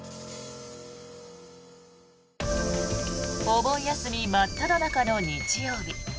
お盆休み真っただ中の日曜日。